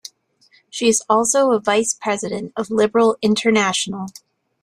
She is also a vice president of Liberal International.